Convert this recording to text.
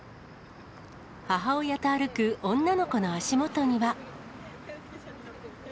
母親と歩く女の子の足元には。